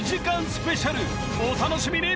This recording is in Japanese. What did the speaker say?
スペシャルお楽しみに！